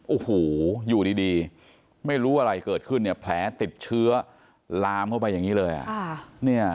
โอ้โหอยู่ดีไม่รู้อะไรเกิดขึ้นเนี่ยแผลติดเชื้อลามเข้าไปอย่างนี้เลย